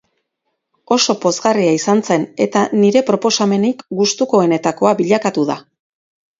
Oso pozgarria izan zen eta nire proposamenik gustukoenetakoa bilakatu da.